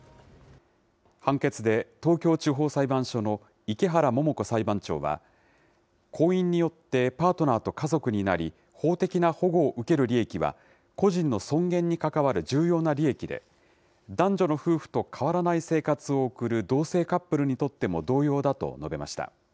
判決で、東京地方裁判所の池原桃子裁判長は、婚姻によってパートナーと家族になり、法的な保護を受ける利益は個人の尊厳に関わる重要な利益で、男女の夫婦と変わらない生活を送る同性カップルにとっても同様だと述べました。